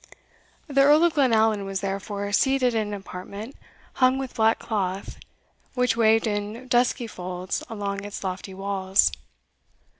The Earl of Glenallan was therefore seated in an apartment hung with black cloth, which waved in dusky folds along its lofty walls.